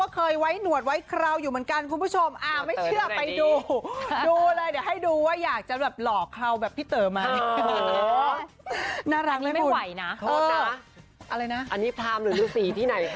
คุณผู้ชมอย่าตกใจเขาไว้แบบนี้